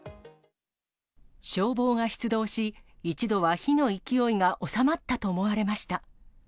消防が出動し、一度は火の勢いが収まったと思われました。